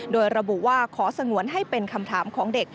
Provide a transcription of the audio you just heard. โดยระบุว่าขอสงวนให้เป็นคำถามของเด็ก